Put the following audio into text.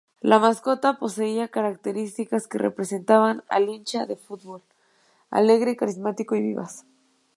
La mascota poseía características que representan al hincha del fútbol alegre, carismático y vivaz.